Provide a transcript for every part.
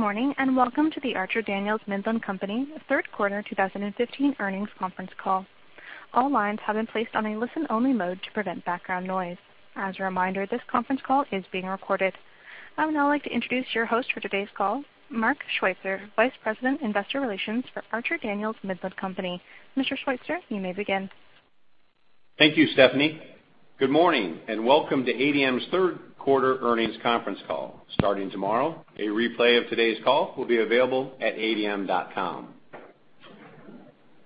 Good morning, and welcome to the Archer Daniels Midland Company third quarter 2015 earnings conference call. All lines have been placed on a listen-only mode to prevent background noise. As a reminder, this conference call is being recorded. I would now like to introduce your host for today's call, Mark Schweitzer, Vice President, Investor Relations for Archer Daniels Midland Company. Mr. Schweitzer, you may begin. Thank you, Stephanie. Good morning, and welcome to ADM's third quarter earnings conference call. Starting tomorrow, a replay of today's call will be available at adm.com.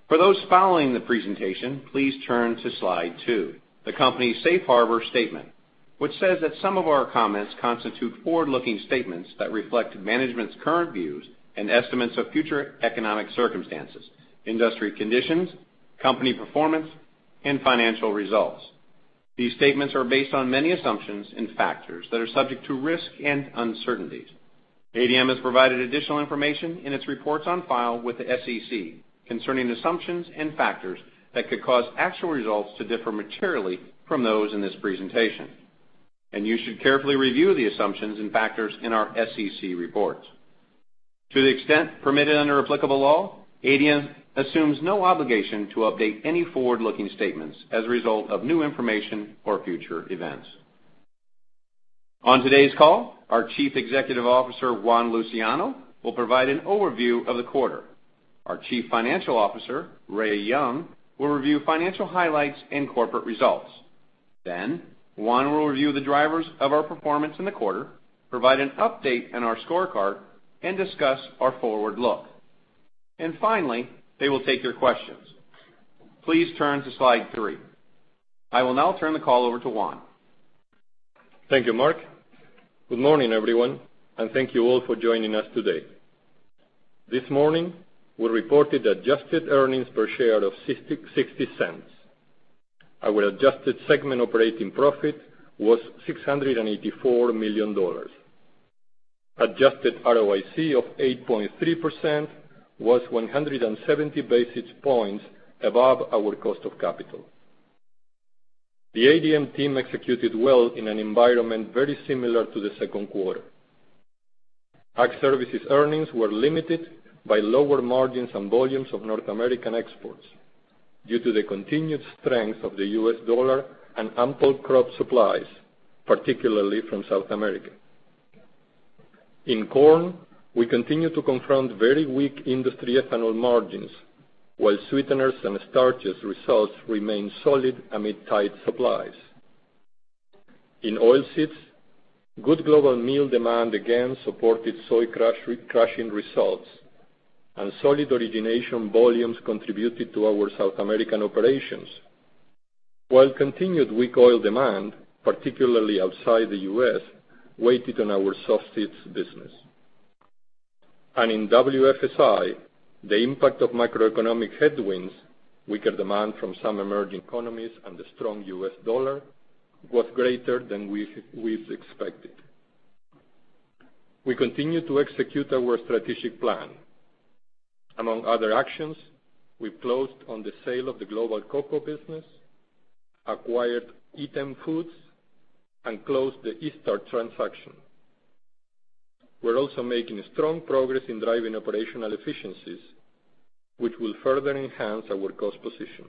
For those following the presentation, please turn to Slide 2, the company's safe harbor statement, which says that some of our comments constitute forward-looking statements that reflect management's current views and estimates of future economic circumstances, industry conditions, company performance, and financial results. These statements are based on many assumptions and factors that are subject to risk and uncertainties. ADM has provided additional information in its reports on file with the SEC concerning assumptions and factors that could cause actual results to differ materially from those in this presentation. You should carefully review the assumptions and factors in our SEC reports. To the extent permitted under applicable law, ADM assumes no obligation to update any forward-looking statements as a result of new information or future events. On today's call, our Chief Executive Officer, Juan Luciano, will provide an overview of the quarter. Our Chief Financial Officer, Ray Young, will review financial highlights and corporate results. Juan will review the drivers of our performance in the quarter, provide an update on our scorecard, and discuss our forward look. Finally, they will take your questions. Please turn to Slide three. I will now turn the call over to Juan. Thank you, Mark. Good morning, everyone, and thank you all for joining us today. This morning, we reported adjusted earnings per share of $0.60. Our adjusted segment operating profit was $684 million. Adjusted ROIC of 8.3% was 170 basis points above our cost of capital. The ADM team executed well in an environment very similar to the second quarter. Ag Services earnings were limited by lower margins and volumes of North American exports due to the continued strength of the U.S. dollar and ample crop supplies, particularly from South America. In corn, we continue to confront very weak industry ethanol margins, while sweeteners and starches results remain solid amid tight supplies. In oilseeds, good global meal demand again supported soy crushing results, and solid origination volumes contributed to our South American operations, while continued weak oil demand, particularly outside the U.S., weighted on our softseeds business. In WFSI, the impact of macroeconomic headwinds, weaker demand from some emerging economies and the strong U.S. dollar, was greater than we've expected. We continue to execute our strategic plan. Among other actions, we closed on the sale of the global cocoa business, acquired Eatem Foods, and closed the Eaststarch transaction. We're also making strong progress in driving operational efficiencies, which will further enhance our cost position.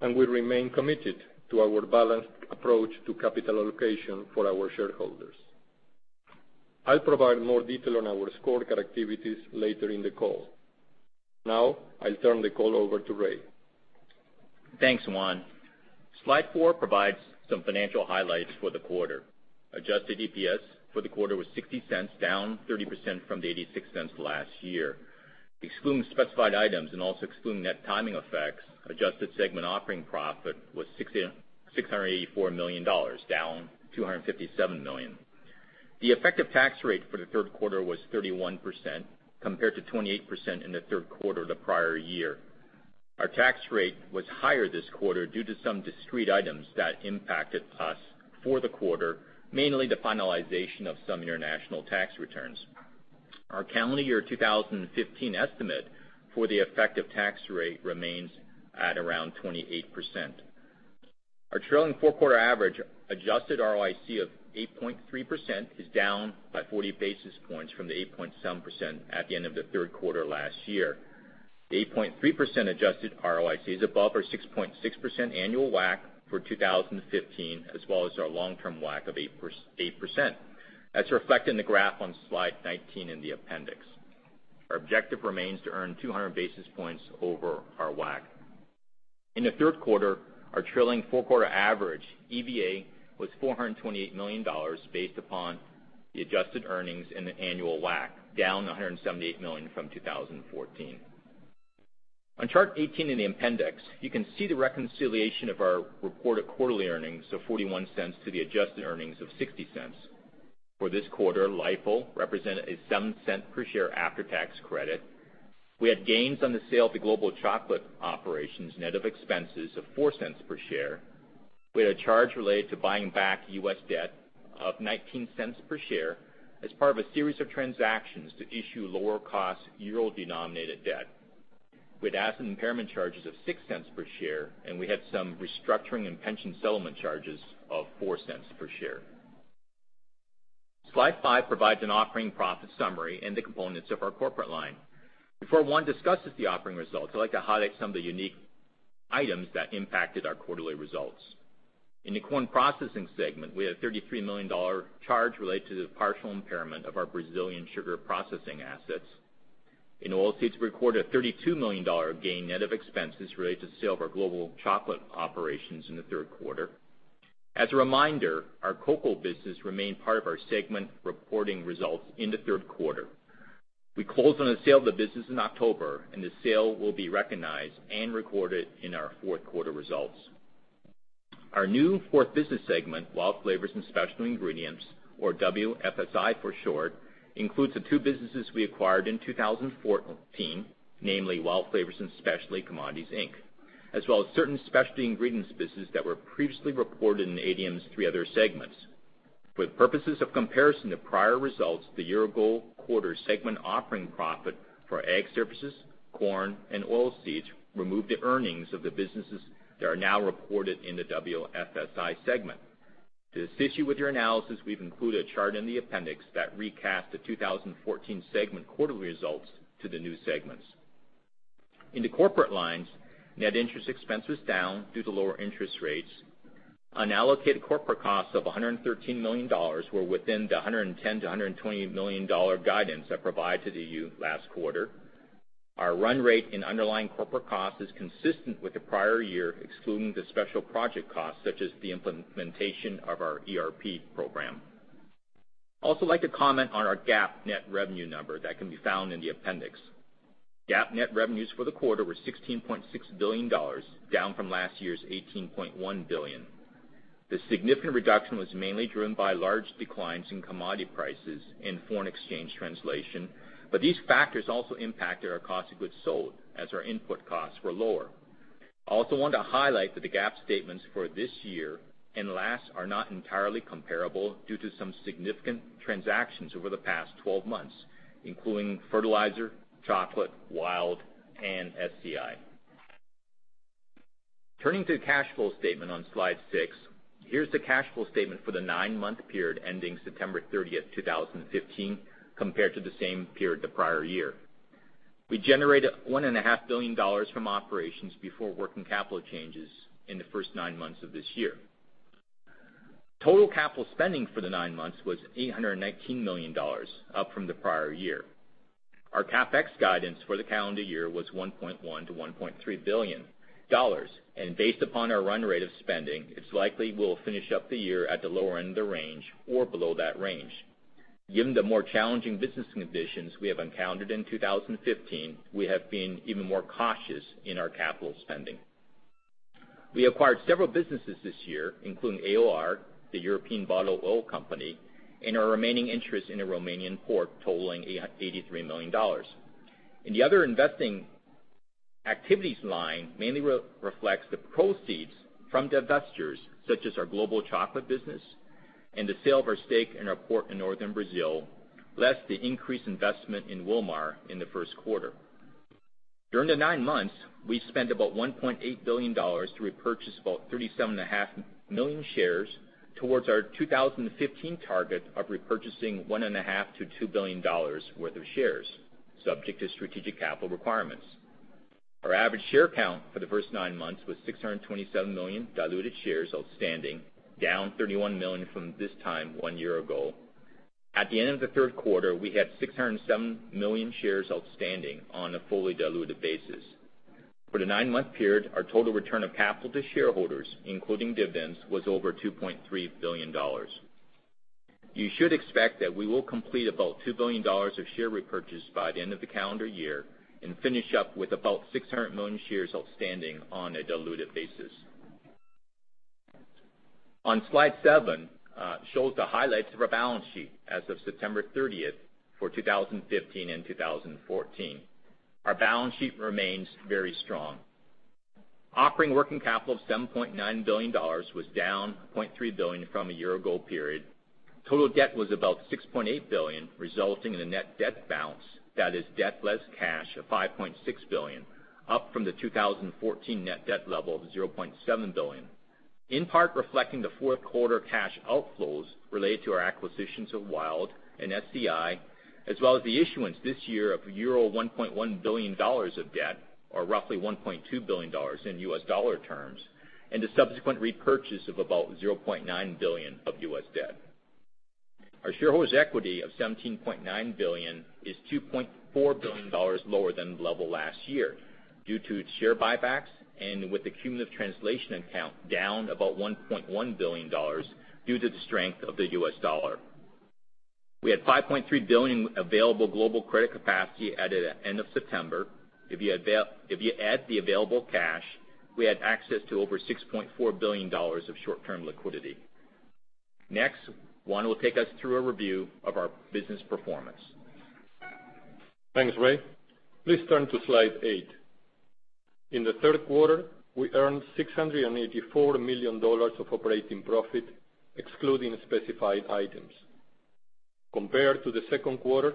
We remain committed to our balanced approach to capital allocation for our shareholders. I'll provide more detail on our scorecard activities later in the call. Now, I'll turn the call over to Ray. Thanks, Juan. Slide four provides some financial highlights for the quarter. Adjusted EPS for the quarter was $0.60, down 30% from the $0.86 last year. Excluding specified items and also excluding net timing effects, adjusted segment operating profit was $684 million, down $257 million. The effective tax rate for the third quarter was 31%, compared to 28% in the third quarter the prior year. Our tax rate was higher this quarter due to some discrete items that impacted us for the quarter, mainly the finalization of some international tax returns. Our calendar year 2015 estimate for the effective tax rate remains at around 28%. Our trailing four-quarter average adjusted ROIC of 8.3% is down by 40 basis points from the 8.7% at the end of the third quarter last year. The 8.3% adjusted ROIC is above our 6.6% annual WACC for 2015, as well as our long-term WACC of 8%. That's reflected in the graph on Slide 19 in the appendix. Our objective remains to earn 200 basis points over our WACC. In the third quarter, our trailing four-quarter average EVA was $428 million, based upon the adjusted earnings and the annual WACC, down $178 million from 2014. On Chart 18 in the appendix, you can see the reconciliation of our reported quarterly earnings of $0.41 to the adjusted earnings of $0.60. For this quarter, LIFO represented a $0.07 per share after-tax credit. We had gains on the sale of the global chocolate operations net of expenses of $0.04 per share. We had a charge related to buying back U.S. debt of $0.19 per share as part of a series of transactions to issue lower-cost Euro-denominated debt. We had asset impairment charges of $0.06 per share. We had some restructuring and pension settlement charges of $0.04 per share. Slide five provides an operating profit summary and the components of our corporate line. Before Juan discusses the operating results, I'd like to highlight some of the unique items that impacted our quarterly results. In the Corn Processing segment, we had a $33 million charge related to the partial impairment of our Brazilian sugar processing assets. In Oilseeds, we recorded a $32 million gain net of expenses related to the sale of our global chocolate operations in the third quarter. As a reminder, our cocoa business remained part of our segment reporting results in the third quarter. We closed on the sale of the business in October, the sale will be recognized and recorded in our fourth quarter results. Our new fourth business segment, WILD Flavors and Specialty Ingredients, or WFSI for short, includes the two businesses we acquired in 2014, namely WILD Flavors and Specialty Commodities Inc., as well as certain specialty ingredients business that were previously reported in ADM's three other segments. For the purposes of comparison to prior results, the year-ago quarter segment operating profit for Ag Services, Corn Processing, and Oilseeds removed the earnings of the businesses that are now reported in the WFSI segment. To assist you with your analysis, we've included a chart in the appendix that recast the 2014 segment quarterly results to the new segments. In the corporate lines, net interest expense was down due to lower interest rates. Unallocated corporate costs of $113 million were within the $110 million-$120 million guidance I provided to you last quarter. Our run rate in underlying corporate cost is consistent with the prior year, excluding the special project costs such as the implementation of our ERP program. I also like to comment on our GAAP net revenue number that can be found in the appendix. GAAP net revenues for the quarter were $16.6 billion, down from last year's $18.1 billion. These factors also impacted our cost of goods sold as our input costs were lower. I also want to highlight that the GAAP statements for this year and last are not entirely comparable due to some significant transactions over the past 12 months, including fertilizer, chocolate, WILD, and SCI. Turning to the cash flow statement on slide six, here's the cash flow statement for the nine-month period ending September 30, 2015, compared to the same period the prior year. We generated $1.5 billion from operations before working capital changes in the first nine months of this year. Total capital spending for the nine months was $819 million, up from the prior year. Our CapEx guidance for the calendar year was $1.1 billion-$1.3 billion, based upon our run rate of spending, it's likely we'll finish up the year at the lower end of the range or below that range. Given the more challenging business conditions we have encountered in 2015, we have been even more cautious in our capital spending. We acquired several businesses this year, including AOR, the European bottle oil company, and our remaining interest in a Romanian port totaling $83 million. The other investing activities line mainly reflects the proceeds from divestitures such as our global chocolate business and the sale of our stake in our port in Northern Brazil, less the increased investment in Wilmar in the first quarter. During the nine months, we spent about $1.8 billion to repurchase about 37.5 million shares towards our 2015 target of repurchasing $1.5 billion-$2 billion worth of shares, subject to strategic capital requirements. Our average share count for the first nine months was 627 million diluted shares outstanding, down 31 million from this time one year ago. At the end of the third quarter, we had 607 million shares outstanding on a fully diluted basis. For the nine-month period, our total return of capital to shareholders, including dividends, was over $2.3 billion. You should expect that we will complete about $2 billion of share repurchase by the end of the calendar year and finish up with about 600 million shares outstanding on a diluted basis. On slide seven, shows the highlights of our balance sheet as of September 30th for 2015 and 2014. Our balance sheet remains very strong. Operating working capital of $7.9 billion was down $0.3 billion from a year ago period. Total debt was about $6.8 billion, resulting in a net debt balance that is debt less cash of $5.6 billion, up from the 2014 net debt level of $0.7 billion. In part reflecting the fourth quarter cash outflows related to our acquisitions of WILD and SCI, as well as the issuance this year of euro 1.1 billion of debt, or roughly $1.2 billion in US dollar terms, and the subsequent repurchase of about $0.9 billion of U.S. debt. Our shareholders' equity of $17.9 billion is $2.4 billion lower than the level last year due to share buybacks and with the cumulative translation account down about $1.1 billion due to the strength of the U.S. dollar. We had $5.3 billion available global credit capacity at the end of September. If you add the available cash, we had access to over $6.4 billion of short-term liquidity. Next, Juan will take us through a review of our business performance. Thanks, Ray. Please turn to slide eight. In the third quarter, we earned $684 million of operating profit, excluding specified items. Compared to the second quarter,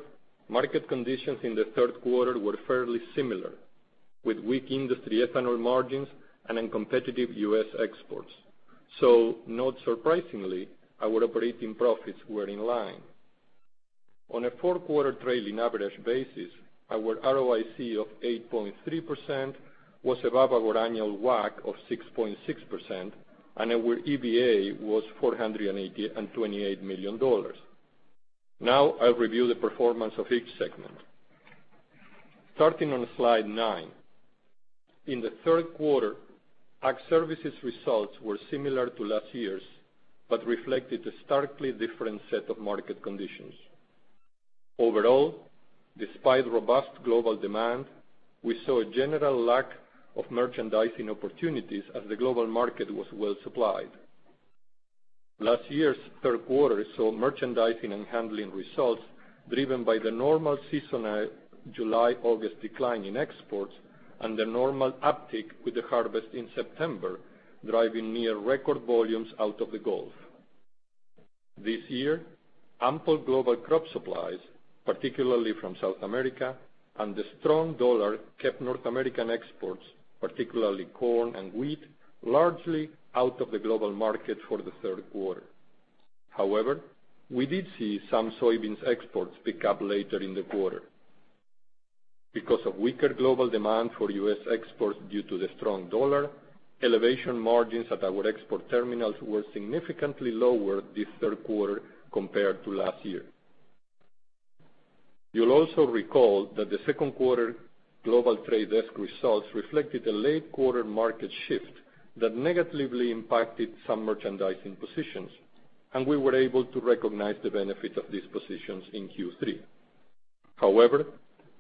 market conditions in the third quarter were fairly similar, with weak industry ethanol margins and uncompetitive U.S. exports. Not surprisingly, our operating profits were in line. On a four-quarter trailing average basis, our ROIC of 8.3% was above our annual WACC of 6.6%, and our EVA was $428 million. Now, I'll review the performance of each segment. Starting on slide nine. In the third quarter, Ag Services results were similar to last year's, but reflected a starkly different set of market conditions. Overall, despite robust global demand, we saw a general lack of merchandising opportunities as the global market was well supplied. Last year's third quarter saw merchandising and handling results driven by the normal seasonal July/August decline in exports and the normal uptick with the harvest in September, driving near record volumes out of the Gulf. This year, ample global crop supplies, particularly from South America, and the strong dollar kept North American exports, particularly corn and wheat, largely out of the global market for the third quarter. However, we did see some soybeans exports pick up later in the quarter. Because of weaker global demand for U.S. exports due to the strong dollar, elevation margins at our export terminals were significantly lower this third quarter compared to last year. You'll also recall that the second quarter Global Trade desk results reflected a late-quarter market shift that negatively impacted some merchandising positions, and we were able to recognize the benefit of these positions in Q3. However,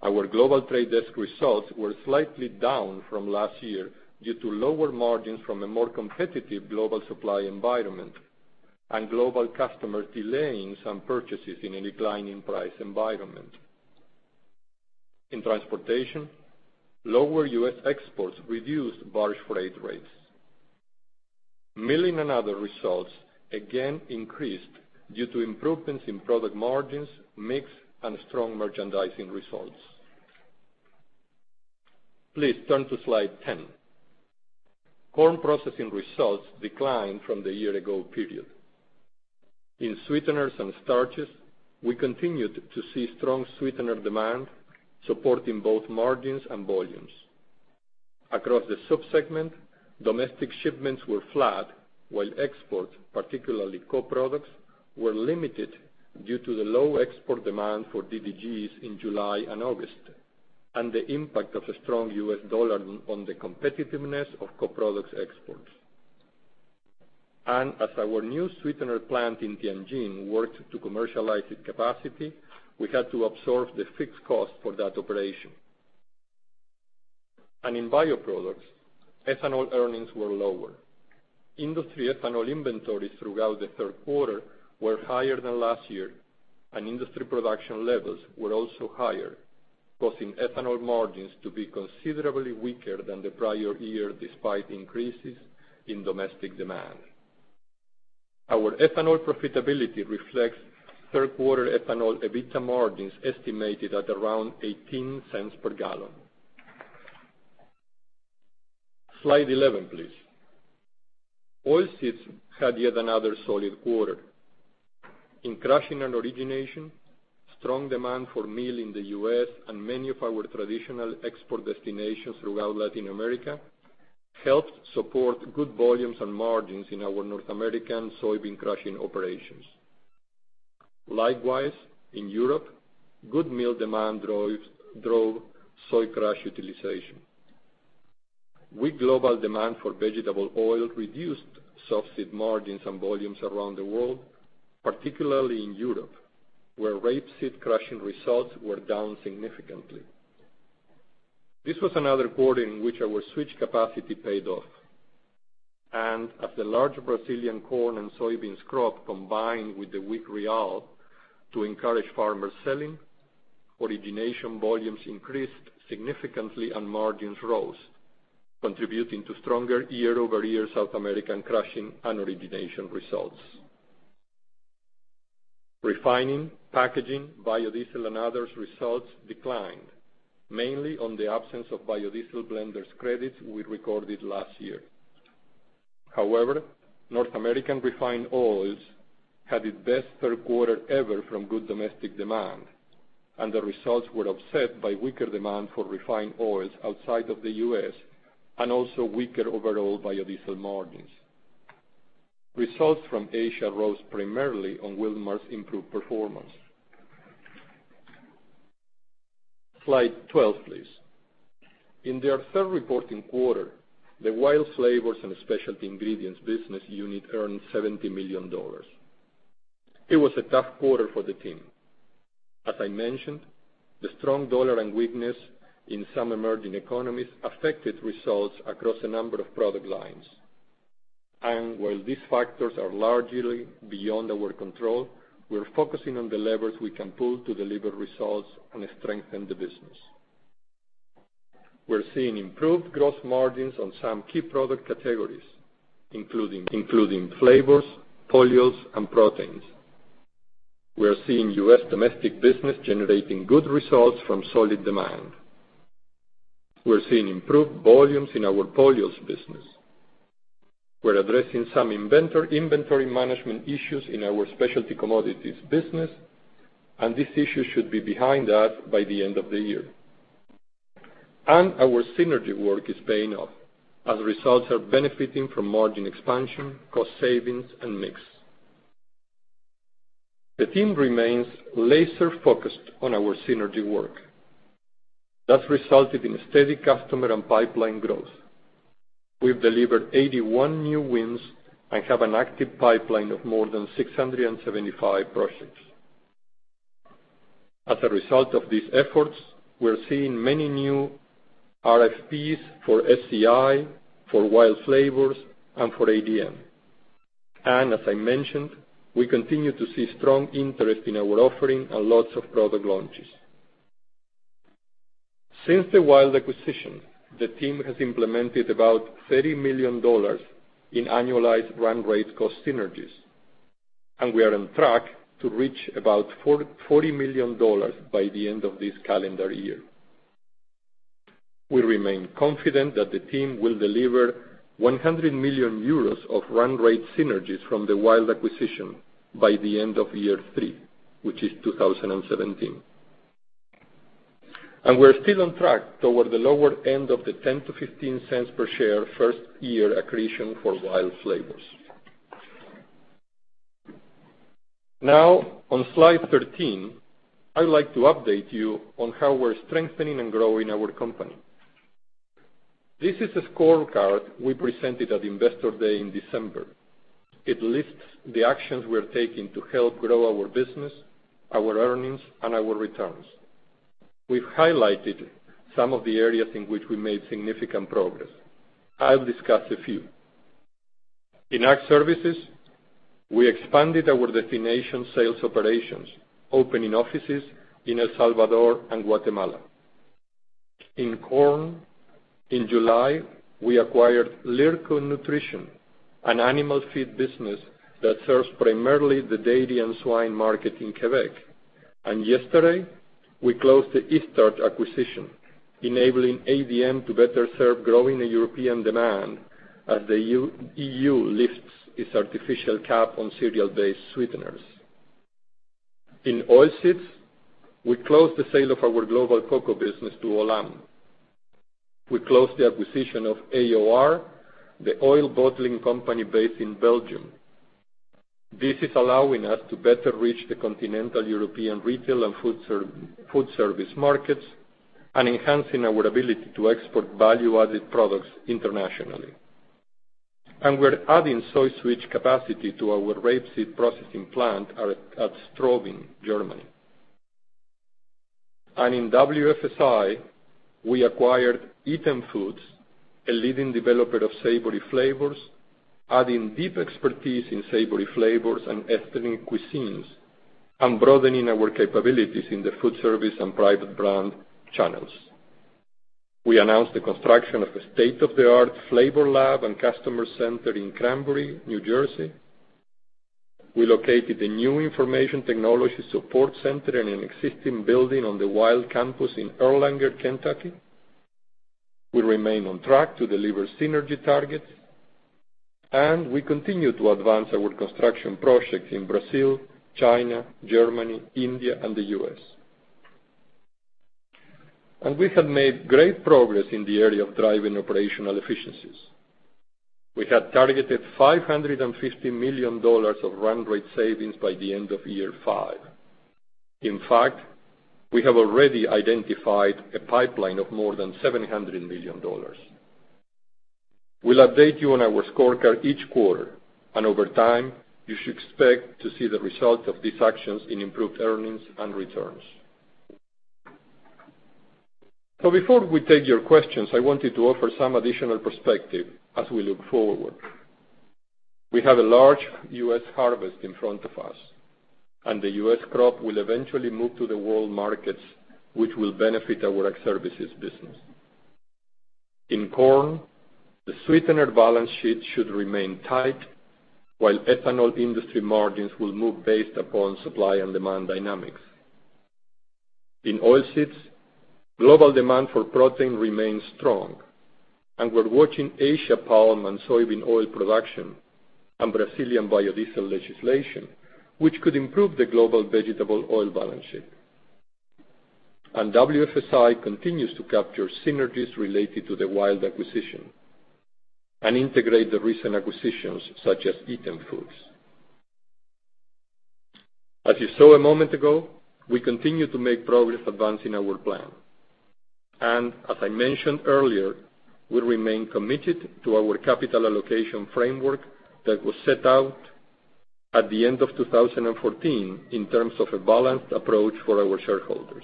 our Global Trade desk results were slightly down from last year due to lower margins from a more competitive global supply environment and global customers delaying some purchases in a declining price environment. In transportation, lower U.S. exports reduced barge freight rates. Milling and other results again increased due to improvements in product margins, mix, and strong merchandising results. Please turn to slide 10. Corn Processing results declined from the year-ago period. In sweeteners and starches, we continued to see strong sweetener demand supporting both margins and volumes. Across the sub-segment, domestic shipments were flat, while exports, particularly co-products, were limited due to the low export demand for DDGs in July and August, and the impact of a strong U.S. dollar on the competitiveness of co-products exports. As our new sweetener plant in Tianjin worked to commercialize its capacity, we had to absorb the fixed cost for that operation. In bioproducts, ethanol earnings were lower. Industry ethanol inventories throughout the third quarter were higher than last year, and industry production levels were also higher, causing ethanol margins to be considerably weaker than the prior year despite increases in domestic demand. Our ethanol profitability reflects third-quarter ethanol EBITDA margins estimated at around $0.18 per gallon. Slide 11, please. Oilseeds had yet another solid quarter. In crushing and origination, strong demand for meal in the U.S. and many of our traditional export destinations throughout Latin America helped support good volumes and margins in our North American soybean crushing operations. Likewise, in Europe, good meal demand drove soy crush utilization. Weak global demand for vegetable oil reduced softseed margins and volumes around the world, particularly in Europe, where rapeseed crushing results were down significantly. This was another quarter in which our switch capacity paid off. As the large Brazilian corn and soybeans crop combined with the weak BRL to encourage farmers selling, origination volumes increased significantly and margins rose, contributing to stronger year-over-year South American crushing and origination results. Refining, packaging, biodiesel, and others results declined, mainly on the absence of biodiesel blenders credits we recorded last year. However, North American refined oils had its best third quarter ever from good domestic demand, and the results were offset by weaker demand for refined oils outside the U.S. and also weaker overall biodiesel margins. Results from Asia rose primarily on Wilmar's improved performance. Slide 12, please. In their third reporting quarter, the WILD Flavors and Specialty Ingredients business unit earned $70 million. It was a tough quarter for the team. As I mentioned, the strong dollar and weakness in some emerging economies affected results across a number of product lines. While these factors are largely beyond our control, we're focusing on the levers we can pull to deliver results and strengthen the business. We're seeing improved gross margins on some key product categories, including flavors, polyols, and proteins. We are seeing U.S. domestic business generating good results from solid demand. We're seeing improved volumes in our polyols business. We're addressing some inventory management issues in our specialty commodities business, and this issue should be behind us by the end of the year. Our synergy work is paying off, as results are benefiting from margin expansion, cost savings, and mix. The team remains laser-focused on our synergy work. That has resulted in steady customer and pipeline growth. We have delivered 81 new wins and have an active pipeline of more than 675 projects. As a result of these efforts, we are seeing many new RFPs for SCI, for WILD Flavors, and for ADM. As I mentioned, we continue to see strong interest in our offering and lots of product launches. Since the WILD acquisition, the team has implemented about $30 million in annualized run rate cost synergies, and we are on track to reach about $40 million by the end of this calendar year. We remain confident that the team will deliver 100 million euros of run rate synergies from the WILD acquisition by the end of year three, which is 2017. We are still on track toward the lower end of the $0.10-$0.15 per share first-year accretion for WILD Flavors. Now, on slide 13, I would like to update you on how we are strengthening and growing our company. This is a scorecard we presented at Investor Day in December. It lists the actions we are taking to help grow our business, our earnings, and our returns. We have highlighted some of the areas in which we made significant progress. I will discuss a few. In Ag Services, we expanded our destination sales operations, opening offices in El Salvador and Guatemala. In Corn, in July, we acquired Lyrico Nutrition, an animal feed business that serves primarily the dairy and swine market in Quebec. Yesterday, we closed the Eaststarch acquisition, enabling ADM to better serve growing European demand as the EU lifts its artificial cap on cereal-based sweeteners. In Oilseeds, we closed the sale of our global cocoa business to Olam. We closed the acquisition of AOR, the oil bottling company based in Belgium. This is allowing us to better reach the continental European retail and food service markets and enhancing our ability to export value-added products internationally. We are adding SoySwitch capacity to our rapeseed processing plant at Straubing, Germany. In WFSI, we acquired Eatem Foods, a leading developer of savory flavors, adding deep expertise in savory flavors and ethnic cuisines, and broadening our capabilities in the food service and private brand channels. We announced the construction of a state-of-the-art flavor lab and customer center in Cranbury, New Jersey. We located a new information technology support center in an existing building on the WILD campus in Erlanger, Kentucky. We remain on track to deliver synergy targets, and we continue to advance our construction projects in Brazil, China, Germany, India, and the U.S. We have made great progress in the area of driving operational efficiencies. We had targeted $550 million of run rate savings by the end of year five. In fact, we have already identified a pipeline of more than $700 million. We will update you on our scorecard each quarter, and over time, you should expect to see the result of these actions in improved earnings and returns. Before we take your questions, I wanted to offer some additional perspective as we look forward. We have a large U.S. harvest in front of us, and the U.S. crop will eventually move to the world markets, which will benefit our Ag Services business. In Corn, the sweetener balance sheet should remain tight, while ethanol industry margins will move based upon supply and demand dynamics. In Oilseeds, global demand for protein remains strong, we're watching Asia palm and soybean oil production and Brazilian biodiesel legislation, which could improve the global vegetable oil balance sheet. WFSI continues to capture synergies related to the WILD acquisition and integrate the recent acquisitions such as Eatem Foods. As you saw a moment ago, we continue to make progress advancing our plan. As I mentioned earlier, we remain committed to our capital allocation framework that was set out at the end of 2014 in terms of a balanced approach for our shareholders.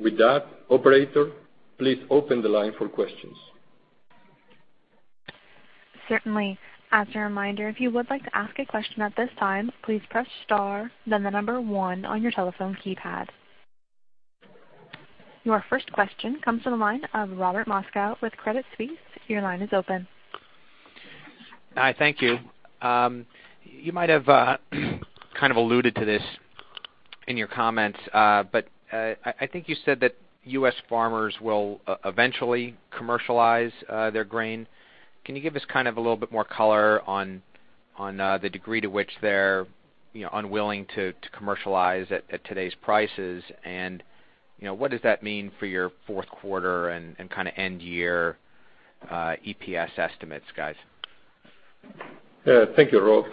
With that, operator, please open the line for questions. Certainly. As a reminder, if you would like to ask a question at this time, please press star then the number one on your telephone keypad. Your first question comes from the line of Robert Moskow with Credit Suisse. Your line is open. Hi, thank you. You might have kind of alluded to this in your comments, but I think you said that U.S. farmers will eventually commercialize their grain. Can you give us kind of a little bit more color on the degree to which they're unwilling to commercialize at today's prices? What does that mean for your fourth quarter and kind of end year EPS estimates, guys? Thank you, Rob.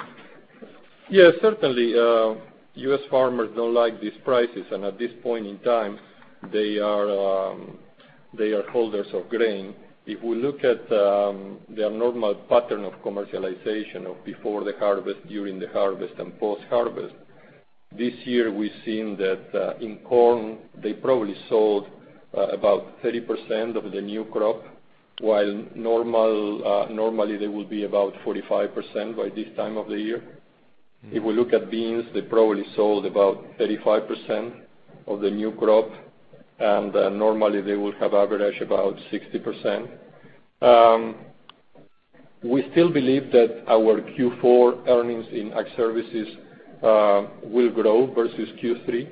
Yeah, certainly, U.S. farmers don't like these prices, and at this point in time, they are holders of grain. If we look at their normal pattern of commercialization of before the harvest, during the harvest, and post-harvest, this year, we've seen that in corn, they probably sold about 30% of the new crop, while normally they will be about 45% by this time of the year. If we look at beans, they probably sold about 35% of the new crop, and normally they will have average about 60%. We still believe that our Q4 earnings in Ag Services will grow versus Q3,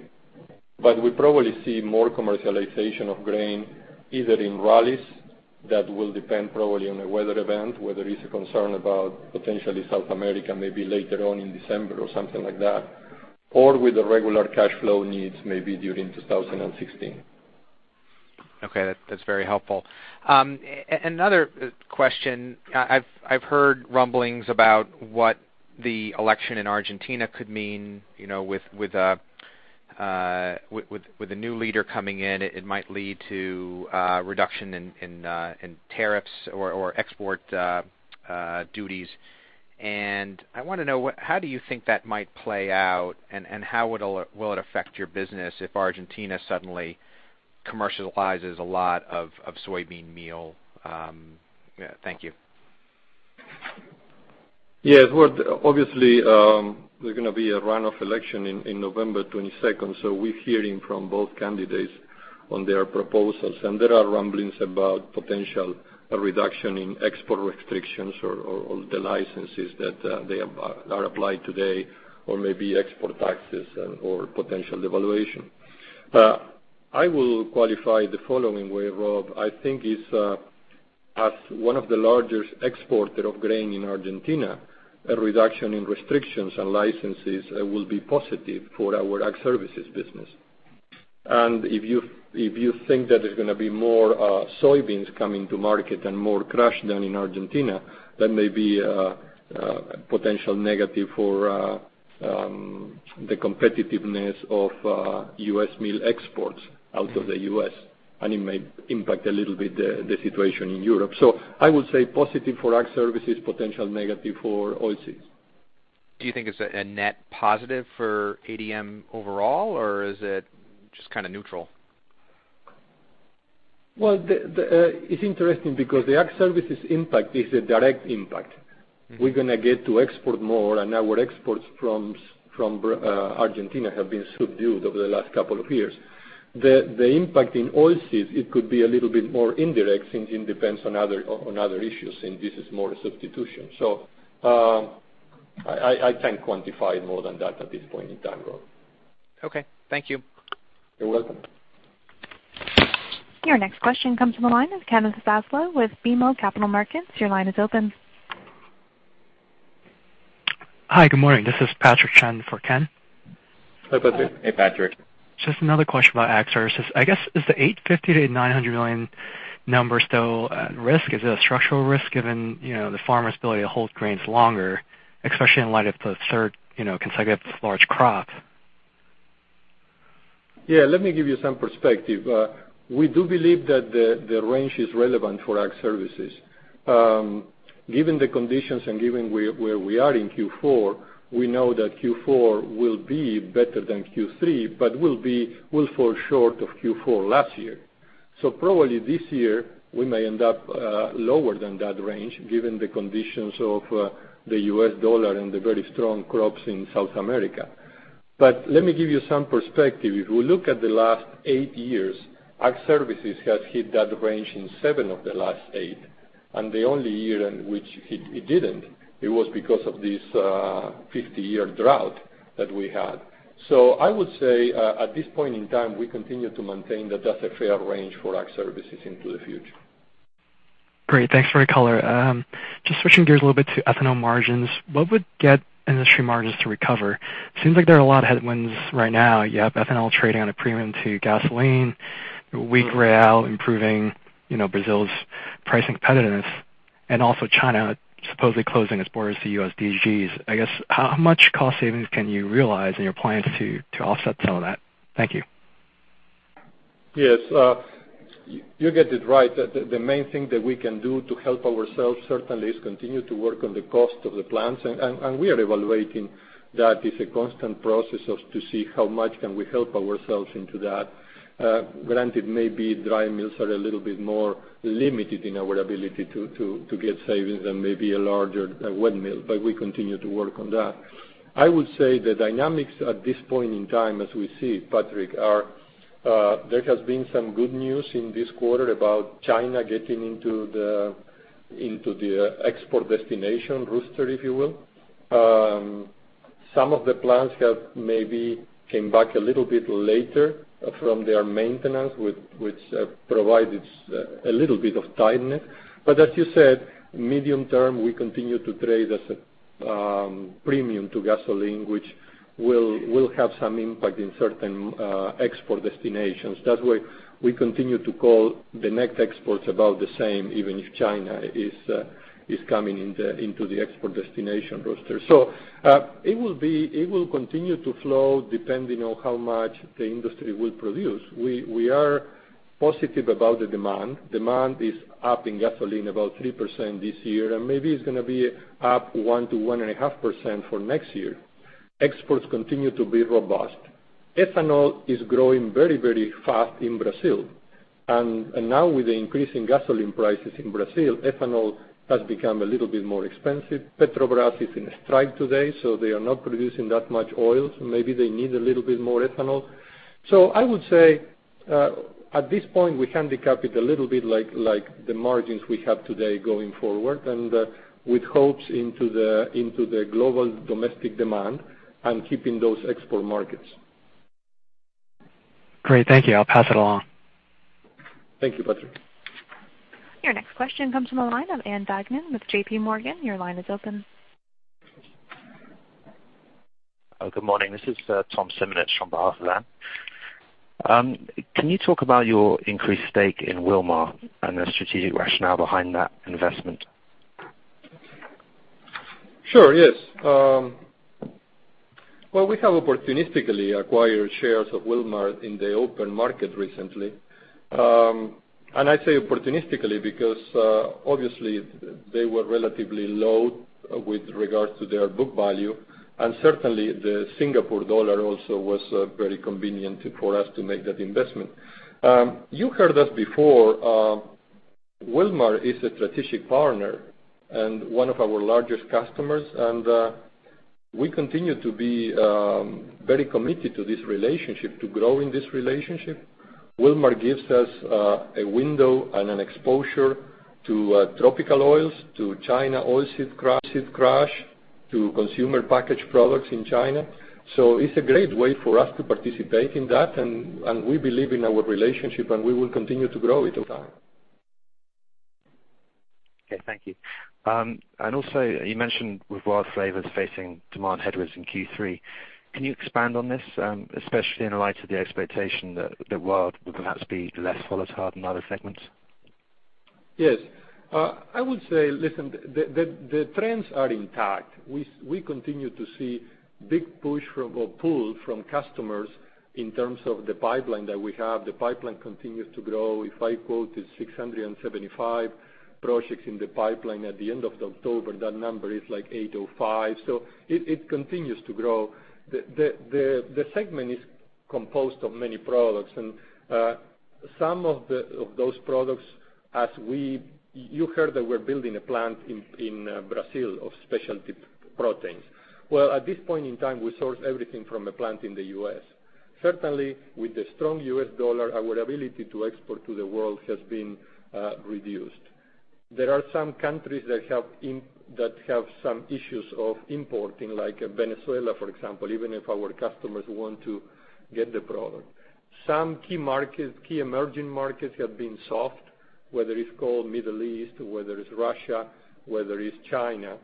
but we probably see more commercialization of grain either in rallies that will depend probably on a weather event where there is a concern about potentially South America, maybe later on in December or something like that, or with the regular cash flow needs, maybe during 2016. Okay, that's very helpful. Another question, I've heard rumblings about what the election in Argentina could mean, with a new leader coming in. It might lead to a reduction in tariffs or export duties. I want to know, how do you think that might play out, and how will it affect your business if Argentina suddenly commercializes a lot of soybean meal? Thank you. Yes, well, obviously, there's going to be a runoff election in November 22nd. We're hearing from both candidates on their proposals, there are rumblings about potential reduction in export restrictions or the licenses that are applied today, or maybe export taxes or potential devaluation. I will qualify the following way, Rob. I think as one of the largest exporter of grain in Argentina, a reduction in restrictions and licenses will be positive for our Ag Services business. If you think that there's going to be more soybeans coming to market and more crush than in Argentina, that may be a potential negative for the competitiveness of U.S. meal exports out of the U.S., and it may impact a little bit the situation in Europe. I would say positive for Ag Services, potential negative for oil seeds. Do you think it's a net positive for ADM overall, or is it just kind of neutral? Well, it's interesting because the Ag Services impact is a direct impact. We're going to get to export more, and our exports from Argentina have been subdued over the last couple of years. The impact in oil seeds, it could be a little bit more indirect, since it depends on other issues, and this is more substitution. I can't quantify more than that at this point in time, Rob. Okay. Thank you. You're welcome. Your next question comes from the line of Kenneth Zaslow with BMO Capital Markets. Your line is open. Hi, good morning. This is Patrick Chen for Ken. Hey, Patrick. Just another question about Ag Services. I guess, is the $850 million-$900 million number still at risk? Is it a structural risk given the farmers' ability to hold grains longer, especially in light of the third consecutive large crop? Yeah, let me give you some perspective. We do believe that the range is relevant for Ag Services. Given the conditions and given where we are in Q4, we know that Q4 will be better than Q3, but will fall short of Q4 last year. Probably this year, we may end up lower than that range given the conditions of the US dollar and the very strong crops in South America. Let me give you some perspective. If we look at the last eight years, Ag Services has hit that range in seven of the last eight, and the only year in which it didn't, it was because of this 50-year drought that we had. I would say, at this point in time, we continue to maintain that that's a fair range for Ag Services into the future. Great. Thanks for your color. Just switching gears a little bit to ethanol margins. What would get industry margins to recover? Seems like there are a lot of headwinds right now. You have ethanol trading on a premium to gasoline, weak BRL improving Brazil's pricing competitiveness, and also China supposedly closing its borders to U.S. DDGs. I guess, how much cost savings can you realize in your plans to offset some of that? Thank you. Yes. You get it right. The main thing that we can do to help ourselves, certainly, is continue to work on the cost of the plants, and we are evaluating that. It's a constant process of to see how much can we help ourselves into that. Granted, maybe dry mills are a little bit more limited in our ability to get savings than maybe a larger wet mill, but we continue to work on that. I would say the dynamics at this point in time, as we see, Patrick, are there has been some good news in this quarter about China getting into the export destination roster, if you will. Some of the plants have maybe came back a little bit later from their maintenance, which provided a little bit of tightness. As you said, medium term, we continue to trade as a premium to gasoline, which will have some impact in certain export destinations. That way, we continue to call the next exports about the same, even if China is coming into the export destination roster. It will continue to flow depending on how much the industry will produce. We are positive about the demand. Demand is up in gasoline about 3% this year, and maybe it's going to be up 1%-1.5% for next year. Exports continue to be robust. Ethanol is growing very fast in Brazil. Now with the increase in gasoline prices in Brazil, ethanol has become a little bit more expensive. Petrobras is in a strike today, so they are not producing that much oil. Maybe they need a little bit more ethanol. I would say, at this point, we handicap it a little bit like the margins we have today going forward, and with hopes into the global domestic demand and keeping those export markets. Great. Thank you. I'll pass it along. Thank you, Patrick. Your next question comes from the line of Ann Duignan with JPMorgan. Your line is open. Good morning. This is Tom Simonitsch on behalf of Ann. Can you talk about your increased stake in Wilmar and the strategic rationale behind that investment? Sure. Yes. Well, we have opportunistically acquired shares of Wilmar in the open market recently. I say opportunistically because, obviously, they were relatively low with regard to their book value. Certainly, the Singapore dollar also was very convenient for us to make that investment. You heard us before. Wilmar is a strategic partner and one of our largest customers, and we continue to be very committed to this relationship, to growing this relationship. Wilmar gives us a window and an exposure to tropical oils, to China oilseed crush, to consumer packaged products in China. It's a great way for us to participate in that, and we believe in our relationship, and we will continue to grow it over time. Okay. Thank you. Also, you mentioned with WILD Flavors facing demand headwinds in Q3. Can you expand on this? Especially in light of the expectation that WILD would perhaps be less volatile than other segments. Yes. I would say, listen, the trends are intact. We continue to see big push or pull from customers in terms of the pipeline that we have. The pipeline continues to grow. If I quoted 675 projects in the pipeline at the end of October, that number is like 805. It continues to grow. The segment is composed of many products, and some of those products. You heard that we're building a plant in Brazil of specialty proteins. Well, at this point in time, we source everything from a plant in the U.S. Certainly, with the strong U.S. dollar, our ability to export to the world has been reduced. There are some countries that have some issues of importing, like Venezuela, for example, even if our customers want to get the product. Some key emerging markets have been soft, whether it's called Middle East, whether it's Russia, whether it's China.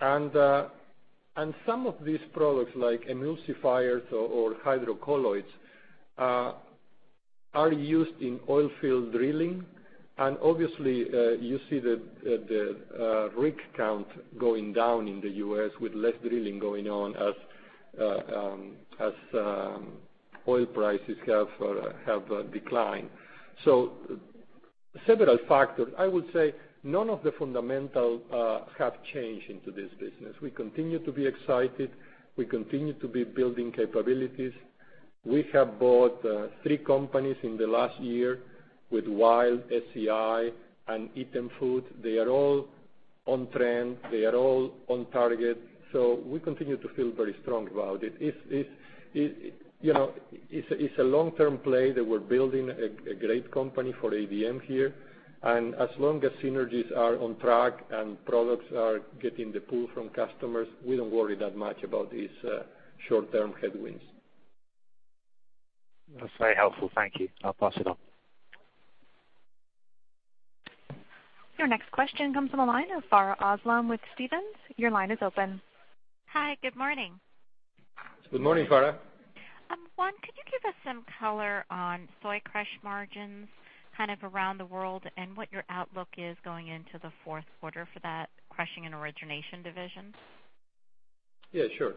Some of these products, like emulsifiers or hydrocolloids, are used in oil field drilling. Obviously, you see the rig count going down in the U.S. with less drilling going on as oil prices have declined. Several factors. I would say none of the fundamentals have changed into this business. We continue to be excited. We continue to be building capabilities. We have bought three companies in the last year with WILD, SCI, and Eatem Foods. They are all on trend. They are all on target. We continue to feel very strong about it. It's a long-term play that we're building a great company for ADM here. As long as synergies are on track and products are getting the pull from customers, we don't worry that much about these short-term headwinds. That's very helpful. Thank you. I'll pass it on. Your next question comes from the line of Farha Aslam with Stephens. Your line is open. Hi, good morning. Good morning, Farha. Juan, could you give us some color on soy crush margins kind of around the world and what your outlook is going into the fourth quarter for that crushing and origination division? Yeah, sure.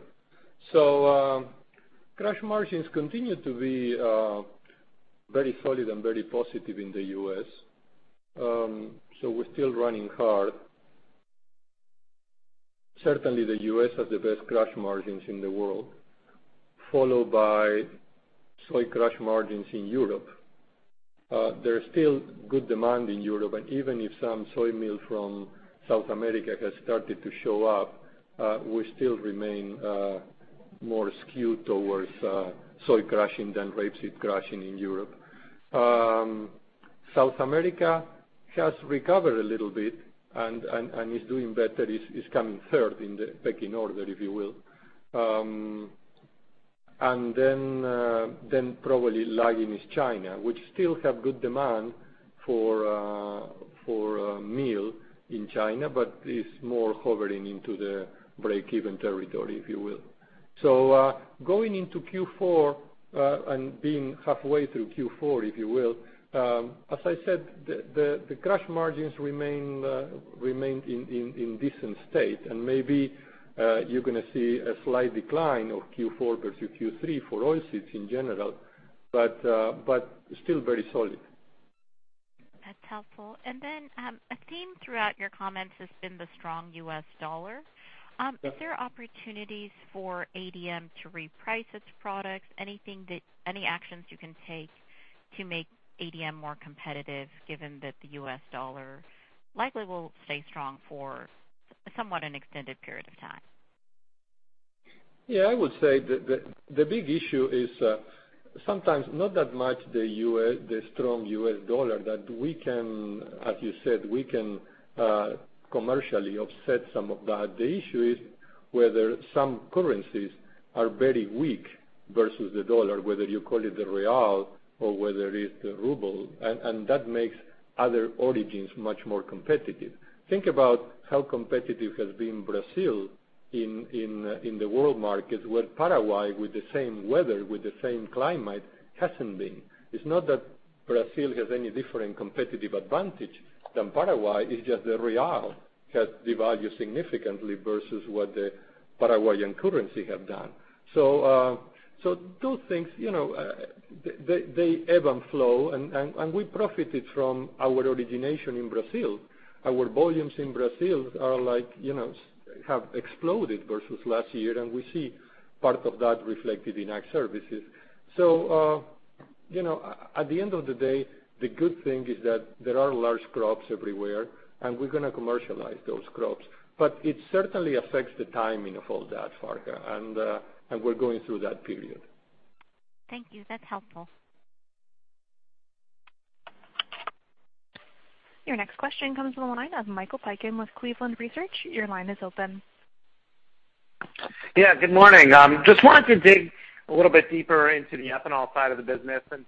Crush margins continue to be very solid and very positive in the U.S. We're still running hard. Certainly, the U.S. has the best crush margins in the world, followed by soy crush margins in Europe. There is still good demand in Europe, and even if some soy meal from South America has started to show up, we still remain more skewed towards soy crushing than rapeseed crushing in Europe. South America has recovered a little bit and is doing better, is coming third in the pecking order, if you will. Then probably lagging is China, which still have good demand for meal in China, but is more hovering into the breakeven territory, if you will. Going into Q4, and being halfway through Q4, if you will, as I said, the crush margins remain in decent state. Maybe you're going to see a slight decline of Q4 versus Q3 for oilseeds in general, but still very solid. That's helpful. A theme throughout your comments has been the strong U.S. dollar. Yes. Is there opportunities for ADM to reprice its products? Any actions you can take to make ADM more competitive given that the U.S. dollar likely will stay strong for somewhat an extended period of time? I would say the big issue is sometimes not that much the strong U.S. dollar that we can, as you said, we can commercially offset some of that. The issue is whether some currencies are very weak versus the dollar, whether you call it the real or whether it's the ruble, and that makes other origins much more competitive. Think about how competitive has been Brazil in the world markets, where Paraguay, with the same weather, with the same climate, hasn't been. It's not that Brazil has any different competitive advantage than Paraguay, it's just the real has devalued significantly versus what the Paraguayan currency have done. Two things, they ebb and flow, and we profited from our origination in Brazil. Our volumes in Brazil have exploded versus last year, and we see part of that reflected in Ag Services. At the end of the day, the good thing is that there are large crops everywhere, and we're going to commercialize those crops. It certainly affects the timing of all that, Farha, and we're going through that period. Thank you. That's helpful. Your next question comes from the line of Michael Piken with Cleveland Research. Your line is open. Yeah, good morning. Just wanted to dig a little bit deeper into the ethanol side of the business, and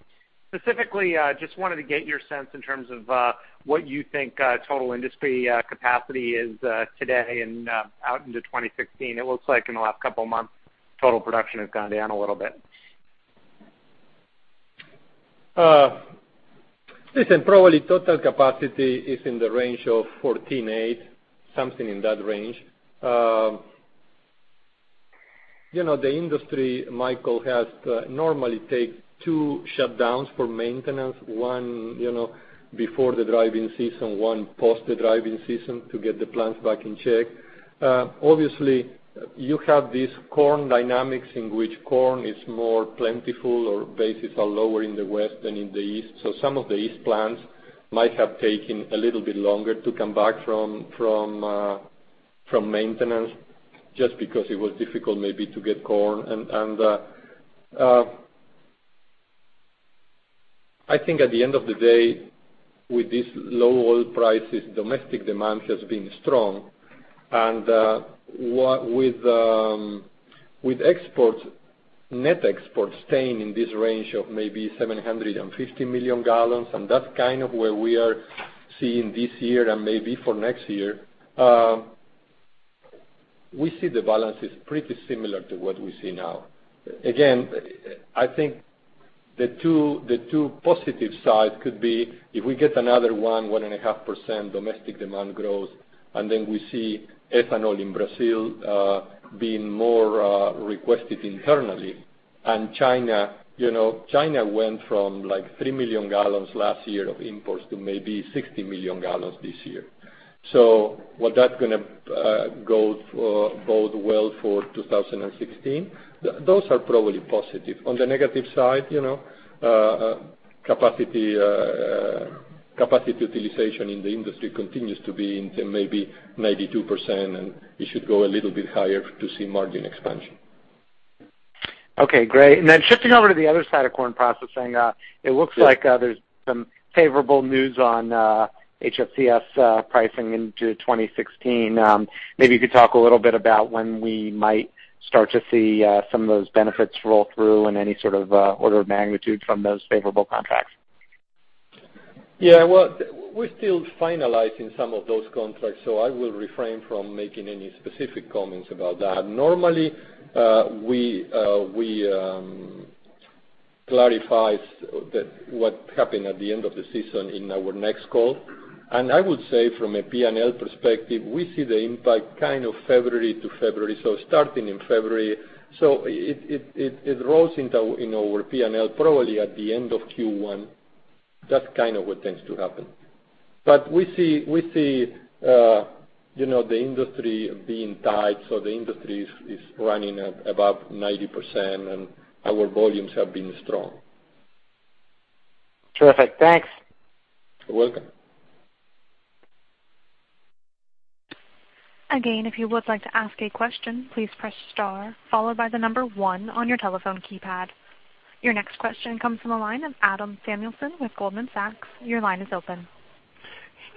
specifically, just wanted to get your sense in terms of what you think total industry capacity is today and out into 2016. It looks like in the last couple of months, total production has gone down a little bit. Listen, probably total capacity is in the range of 14.8, something in that range. The industry, Michael, has to normally take two shutdowns for maintenance. One before the driving season, one post the driving season to get the plants back in check. Obviously, you have these corn dynamics in which corn is more plentiful or basis are lower in the West than in the East. Some of the East plants might have taken a little bit longer to come back from maintenance just because it was difficult maybe to get corn. I think at the end of the day, with these low oil prices, domestic demand has been strong. With net exports staying in this range of maybe 750 million gallons, and that's kind of where we are seeing this year and maybe for next year. We see the balance is pretty similar to what we see now. Again, I think the two positive side could be if we get another one and a half % domestic demand growth, and then we see ethanol in Brazil being more requested internally and China went from 3 million gallons last year of imports to maybe 60 million gallons this year. Will that going to bode well for 2016? Those are probably positive. On the negative side, capacity utilization in the industry continues to be in maybe 92%, and it should go a little bit higher to see margin expansion. Okay, great. Shifting over to the other side of Corn Processing. Yes It looks like there's some favorable news on HFCS pricing into 2016. Maybe you could talk a little bit about when we might start to see some of those benefits roll through and any sort of order of magnitude from those favorable contracts. Well, we're still finalizing some of those contracts, so I will refrain from making any specific comments about that. Normally, we clarify what happened at the end of the season in our next call. I would say from a P&L perspective, we see the impact kind of February to February, starting in February. It rolls in our P&L probably at the end of Q1. That's kind of what tends to happen. We see the industry being tight, so the industry is running at above 90%, and our volumes have been strong. Terrific. Thanks. You're welcome. Again, if you would like to ask a question, please press star, followed by the number one on your telephone keypad. Your next question comes from the line of Adam Samuelson with Goldman Sachs. Your line is open.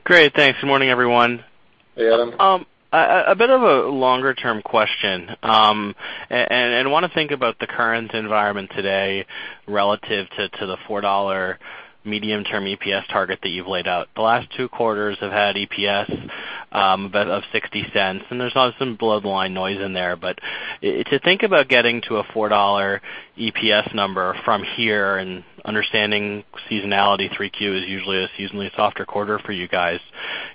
Great. Thanks. Morning, everyone. Hey, Adam. A bit of a longer-term question. Want to think about the current environment today relative to the $4 medium-term EPS target that you've laid out. The last two quarters have had EPS of $0.60, and there's some below-the-line noise in there. To think about getting to a $4 EPS number from here and understanding seasonality, 3Q is usually a seasonally softer quarter for you guys,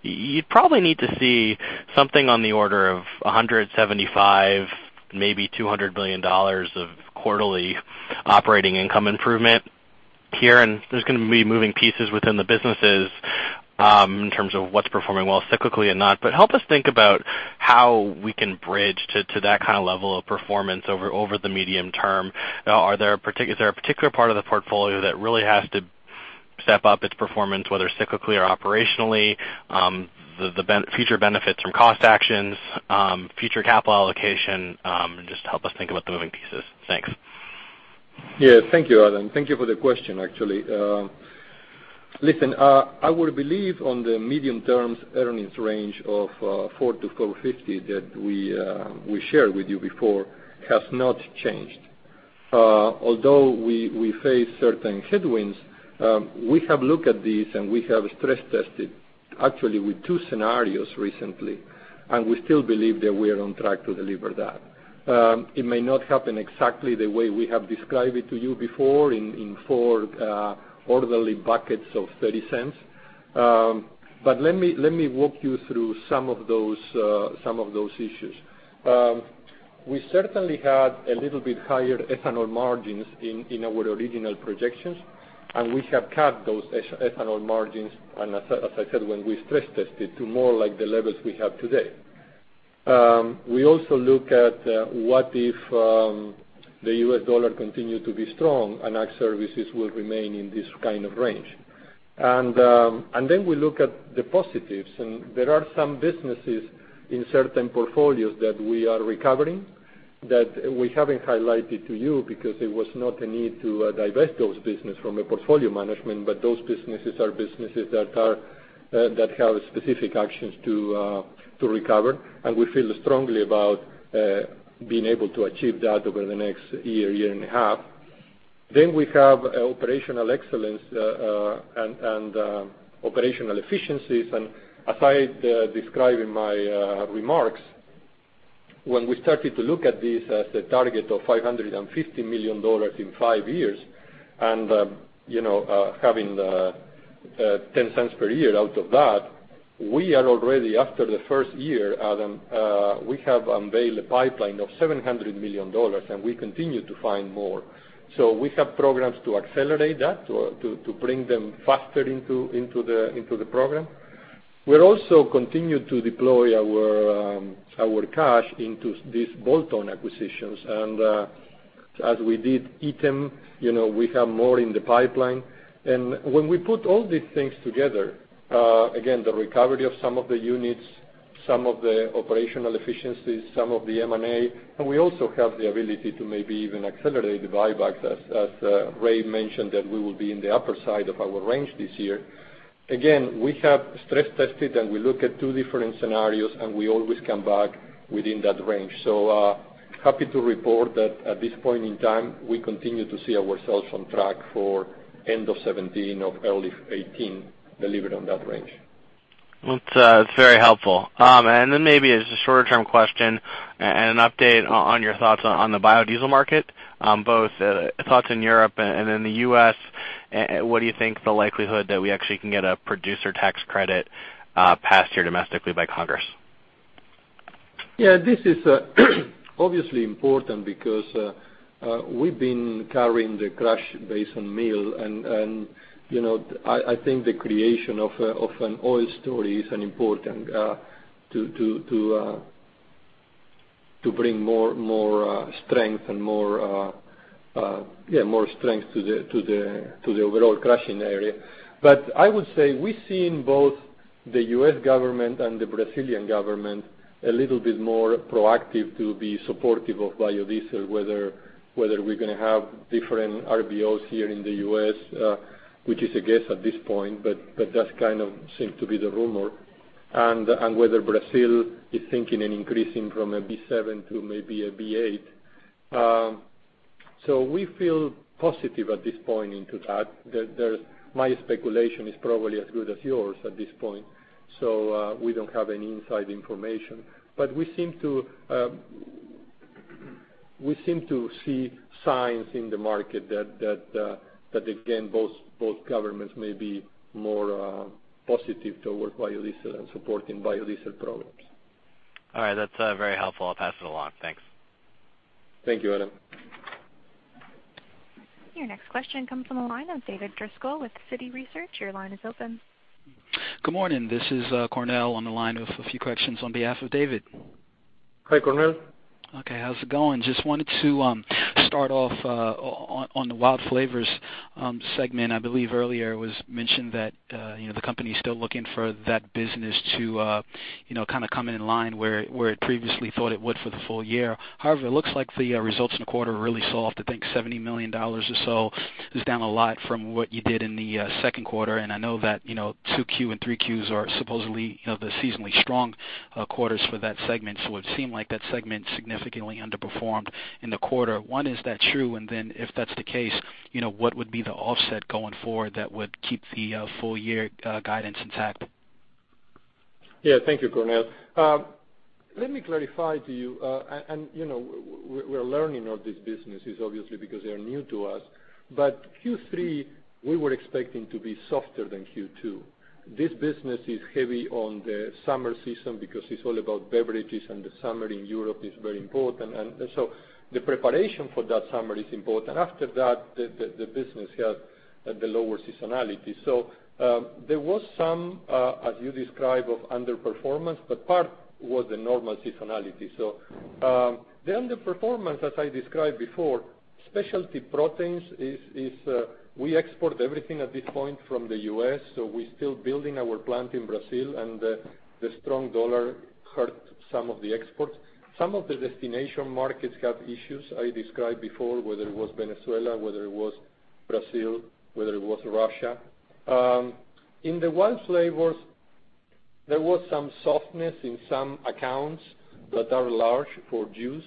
you'd probably need to see something on the order of $175 million, maybe $200 million of quarterly operating income improvement here. There's going to be moving pieces within the businesses in terms of what's performing well cyclically and not. Help us think about how we can bridge to that kind of level of performance over the medium term. Is there a particular part of the portfolio that really has to step up its performance, whether cyclically or operationally? The future benefits from cost actions, future capital allocation, and just help us think about the moving pieces. Thanks. Yeah. Thank you, Adam. Thank you for the question, actually. Listen, our belief on the medium-term earnings range of $4 to $4.50 that we shared with you before has not changed. Although we face certain headwinds, we have looked at these, and we have stress tested actually with two scenarios recently, and we still believe that we are on track to deliver that. It may not happen exactly the way we have described it to you before in four quarterly buckets of $0.30. Let me walk you through some of those issues. We certainly had a little bit higher ethanol margins in our original projections, and we have cut those ethanol margins, and as I said, when we stress tested to more like the levels we have today. We also look at what if the U.S. dollar continue to be strong and Ag Services will remain in this kind of range. We look at the positives, and there are some businesses in certain portfolios that we are recovering that we haven't highlighted to you because there was not a need to divest those business from a portfolio management. Those businesses are businesses that have specific actions to recover, and we feel strongly about being able to achieve that over the next year and a half. We have operational excellence and operational efficiencies. As I described in my remarks, when we started to look at this as a target of $550 million in 5 years and having the $0.10 per year out of that, we are already after the first year, Adam, we have unveiled a pipeline of $700 million, and we continue to find more. We have programs to accelerate that, to bring them faster into the program. We're also continue to deploy our cash into these bolt-on acquisitions. As we did Eatem, we have more in the pipeline. When we put all these things together, again, the recovery of some of the units, some of the operational efficiencies, some of the M&A, and we also have the ability to maybe even accelerate the buyback as Ray mentioned, that we will be in the upper side of our range this year. Again, we have stress tested, and we look at two different scenarios, and we always come back within that range. Happy to report that at this point in time, we continue to see ourselves on track for end of 2017 or early 2018 deliver on that range. That's very helpful. Maybe as a shorter-term question and an update on your thoughts on the biodiesel market, both thoughts in Europe and in the U.S., what do you think the likelihood that we actually can get a producer tax credit passed here domestically by Congress? This is obviously important because we've been carrying the crush based on meal. I think the creation of an oil story is an important to bring more strength to the overall crushing area. I would say we've seen both the U.S. government and the Brazilian government a little bit more proactive to be supportive of biodiesel, whether we're going to have different RVOs here in the U.S. which is a guess at this point, but that kind of seems to be the rumor. Whether Brazil is thinking in increasing from a B7 to maybe a B8. We feel positive at this point into that. My speculation is probably as good as yours at this point. We don't have any inside information, but we seem to see signs in the market that again, both governments may be more positive towards biodiesel and supporting biodiesel programs. All right. That's very helpful. I'll pass it along. Thanks. Thank you, Adam. Your next question comes from the line of David Driscoll with Citi Research. Your line is open. Good morning. This is Cornell on the line with a few questions on behalf of David. Hi, Cornell. Okay, how's it going? Just wanted to start off on the WILD Flavors segment. I believe earlier it was mentioned that the company is still looking for that business to come in line where it previously thought it would for the full year. However, it looks like the results in the quarter are really soft. I think $70 million or so is down a lot from what you did in the second quarter, and I know that 2Q and 3Q are supposedly the seasonally strong quarters for that segment. It would seem like that segment significantly underperformed in the quarter. One, is that true? If that's the case, what would be the offset going forward that would keep the full-year guidance intact? Thank you, Cornell. Let me clarify to you. We're learning of these businesses, obviously, because they're new to us. Q3, we were expecting to be softer than Q2. This business is heavy on the summer season because it's all about beverages, and the summer in Europe is very important. The preparation for that summer is important. After that, the business had the lower seasonality. There was some, as you describe, of underperformance, but part was the normal seasonality. The underperformance, as I described before, specialty proteins, we export everything at this point from the U.S., so we're still building our plant in Brazil, and the strong dollar hurt some of the exports. Some of the destination markets have issues, I described before, whether it was Venezuela, whether it was Brazil, whether it was Russia. In the WILD Flavors, there was some softness in some accounts that are large for juice,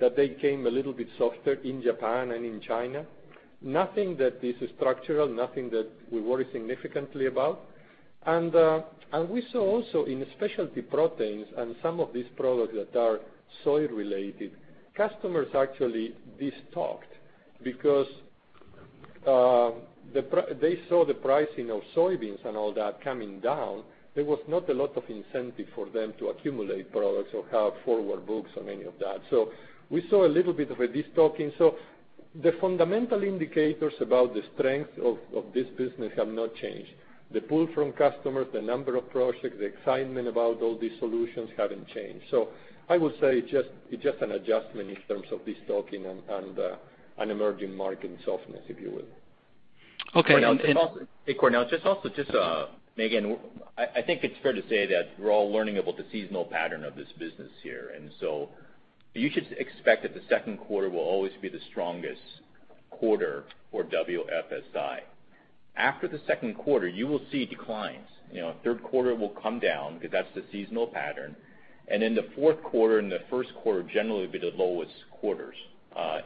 that they came a little bit softer in Japan and in China. Nothing that is structural, nothing that we worry significantly about. We saw also in specialty proteins and some of these products that are soy related, customers actually destocked because they saw the pricing of soybeans and all that coming down. There was not a lot of incentive for them to accumulate products or have forward books or any of that. We saw a little bit of a destocking. The fundamental indicators about the strength of this business have not changed. The pull from customers, the number of projects, the excitement about all these solutions haven't changed. I would say it's just an adjustment in terms of destocking and emerging market softness, if you will. Okay. Hey, Cornell. Just also, again, I think it's fair to say that we're all learning about the seasonal pattern of this business here. You should expect that the second quarter will always be the strongest quarter for WFSI. After the second quarter, you will see declines. Third quarter will come down because that's the seasonal pattern. Then the fourth quarter and the first quarter generally will be the lowest quarters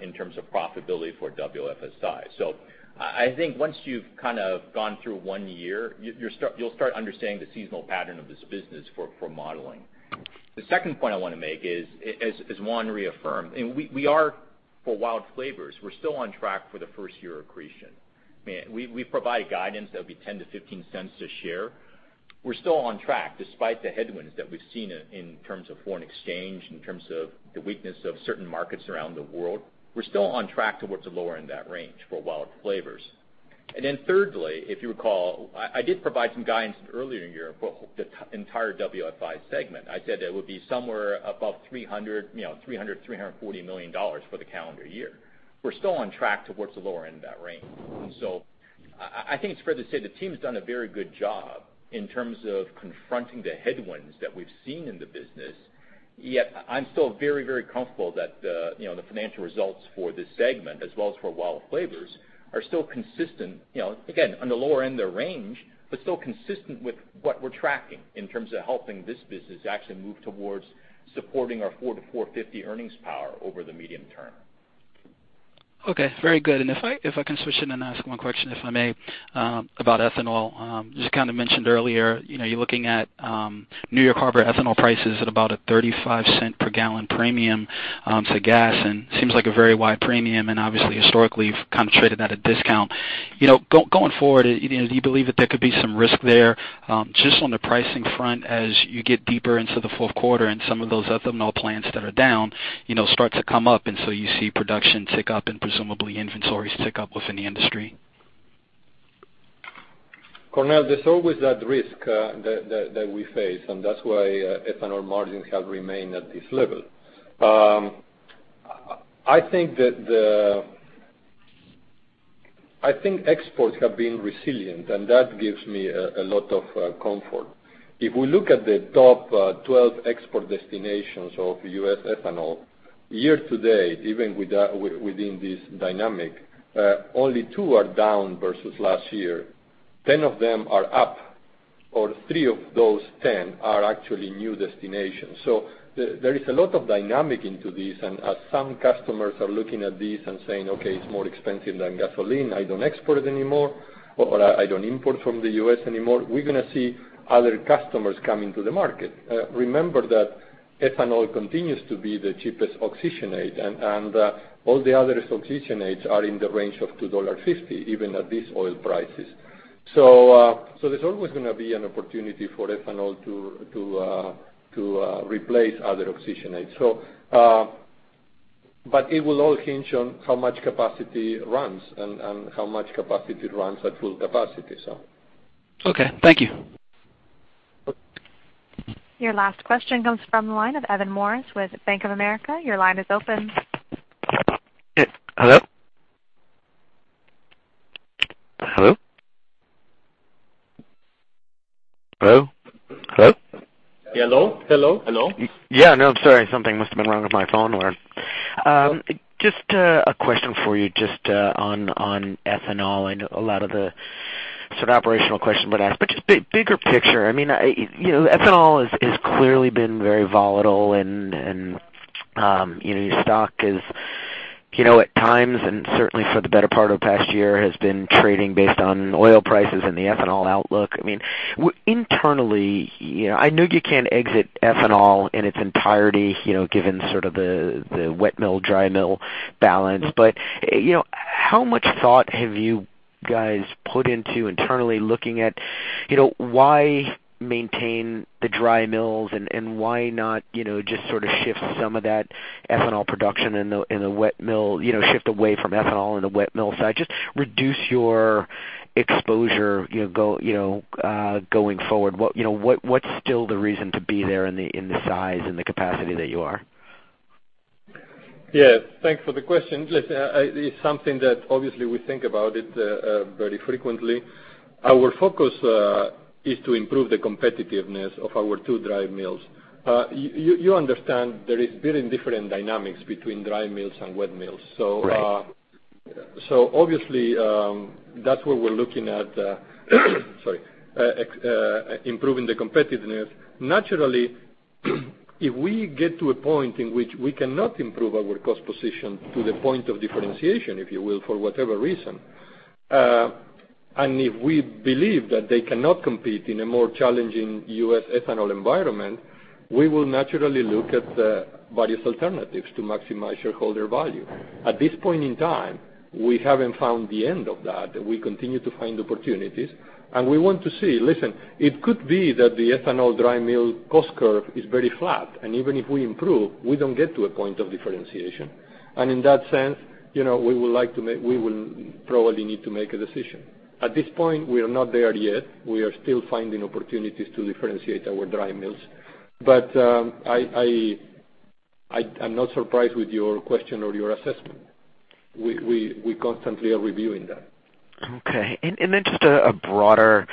in terms of profitability for WFSI. I think once you've gone through 1 year, you'll start understanding the seasonal pattern of this business for modeling. The second point I want to make is, as Juan reaffirmed, we are for WILD Flavors. We're still on track for the first year accretion. We provide guidance that would be $0.10-$0.15 a share. We're still on track despite the headwinds that we've seen in terms of foreign exchange, in terms of the weakness of certain markets around the world. We're still on track towards the lower end of that range for WILD Flavors. Thirdly, if you recall, I did provide some guidance earlier in the year for the entire WFSI segment. I said it would be somewhere above $300 million-$340 million for the calendar year. We're still on track towards the lower end of that range. I think it's fair to say the team's done a very good job in terms of confronting the headwinds that we've seen in the business. Yet I'm still very comfortable that the financial results for this segment, as well as for WILD Flavors, are still consistent. Again, on the lower end of range, but still consistent with what we're tracking in terms of helping this business actually move towards supporting our $400 million-$450 million earnings power over the medium term. Okay. Very good. If I can switch in and ask one question, if I may, about ethanol. Just kind of mentioned earlier, you're looking at New York Harbor ethanol prices at about a $0.35 per gallon premium to gas. It seems like a very wide premium. Obviously historically, you've kind of traded at a discount. Going forward, do you believe that there could be some risk there just on the pricing front as you get deeper into the fourth quarter and some of those ethanol plants that are down start to come up, you see production tick up and presumably inventories tick up within the industry? Cornell, there's always that risk that we face. That's why ethanol margins have remained at this level. I think exports have been resilient. That gives me a lot of comfort. If we look at the top 12 export destinations of U.S. ethanol, year to date, even within this dynamic, only two are down versus last year. 10 of them are up. Three of those 10 are actually new destinations. There is a lot of dynamic into this. As some customers are looking at this and saying, "Okay, it's more expensive than gasoline, I don't export it anymore," or, "I don't import from the U.S. anymore," we're going to see other customers come into the market. Remember that ethanol continues to be the cheapest oxygenate. All the other oxygenates are in the range of $2.50, even at these oil prices. There's always going to be an opportunity for ethanol to replace other oxygenates. It will all hinge on how much capacity runs and how much capacity runs at full capacity. Okay, thank you. Okay. Your last question comes from the line of Evan Morris with Bank of America. Your line is open. Hello? Hello? Hello? Hello? Hello? Hello? Hello? Yeah. No, sorry, something must've been wrong with my phone or Just a question for you just on ethanol and a lot of the sort of operational questions that were asked. Just bigger picture, ethanol has clearly been very volatile and your stock is at times, and certainly for the better part of the past year, has been trading based on oil prices and the ethanol outlook. Internally, I know you can't exit ethanol in its entirety, given sort of the wet mill, dry mill balance. How much thought have you guys put into internally looking at why maintain the dry mills and why not just sort of shift some of that ethanol production in the wet mill, shift away from ethanol in the wet mill side, just reduce your exposure going forward. What's still the reason to be there in the size and the capacity that you are? Yes, thanks for the question. Listen, it's something that obviously we think about it very frequently. Our focus is to improve the competitiveness of our two dry mills. You understand there is very different dynamics between dry mills and wet mills. Right. Obviously, that's where we're looking at, sorry improving the competitiveness. Naturally, if we get to a point in which we cannot improve our cost position to the point of differentiation, if you will, for whatever reason, and if we believe that they cannot compete in a more challenging U.S. ethanol environment, we will naturally look at various alternatives to maximize shareholder value. At this point in time, we haven't found the end of that. We continue to find opportunities. We want to see. Listen, it could be that the ethanol dry mill cost curve is very flat, and even if we improve, we don't get to a point of differentiation. In that sense, we will probably need to make a decision. At this point, we are not there yet. We are still finding opportunities to differentiate our dry mills. I'm not surprised with your question or your assessment. We constantly are reviewing that. Okay. Just a broader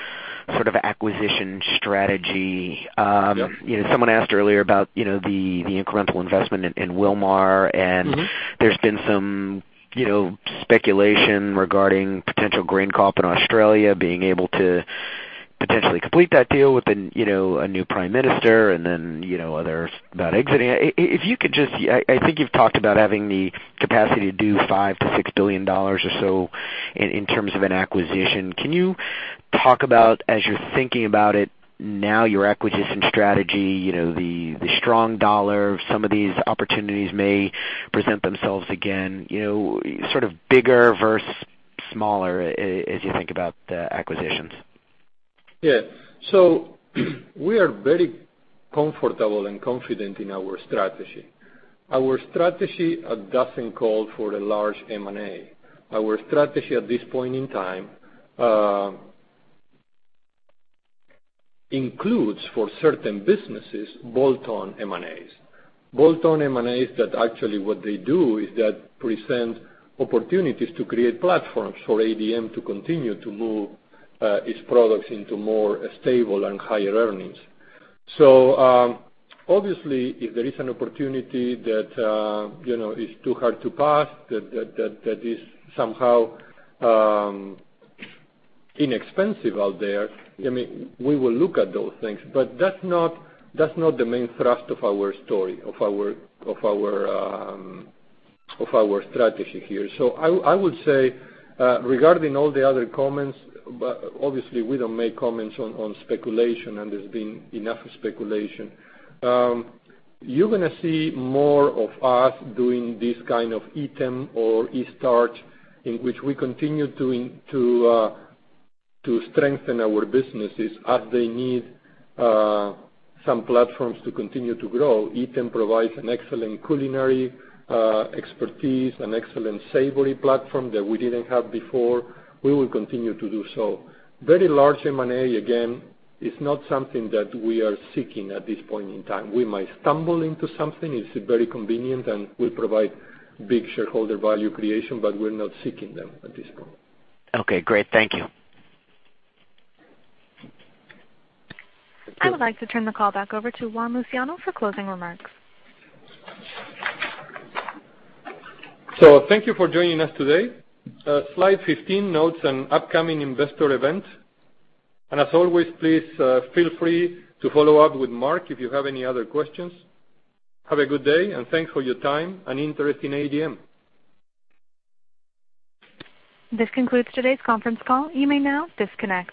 sort of acquisition strategy. Yep. Someone asked earlier about the incremental investment in Wilmar. There's been some speculation regarding potential GrainCorp in Australia being able to potentially complete that deal with a new prime minister, and others about exiting. You've talked about having the capacity to do $5 billion to $6 billion or so in terms of an acquisition. Can you talk about, as you're thinking about it now, your acquisition strategy, the strong dollar, some of these opportunities may present themselves again, sort of bigger versus smaller as you think about the acquisitions? We are very comfortable and confident in our strategy. Our strategy doesn't call for a large M&A. Our strategy at this point in time includes, for certain businesses, bolt-on M&As. Bolt-on M&As that actually present opportunities to create platforms for ADM to continue to move its products into more stable and higher earnings. Obviously, if there is an opportunity that is too hard to pass, that is somehow inexpensive out there, we will look at those things. That's not the main thrust of our story, of our strategy here. I would say, regarding all the other comments, obviously we don't make comments on speculation, and there's been enough speculation. You're going to see more of us doing this kind of Eatem or Eaststarch, in which we continue to strengthen our businesses as they need some platforms to continue to grow. Eatem provides an excellent culinary expertise, an excellent savory platform that we didn't have before. We will continue to do so. Very large M&A, again, is not something that we are seeking at this point in time. We might stumble into something, it's very convenient, and will provide big shareholder value creation, but we're not seeking them at this point. Okay, great. Thank you. I would like to turn the call back over to Juan Luciano for closing remarks. Thank you for joining us today. Slide 15 notes an upcoming investor event. As always, please feel free to follow up with Mark if you have any other questions. Have a good day, thanks for your time and interest in ADM. This concludes today's conference call. You may now disconnect.